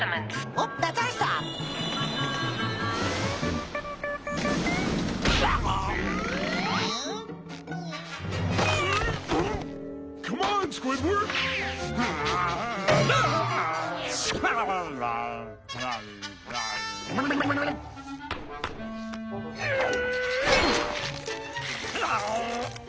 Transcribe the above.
ああ。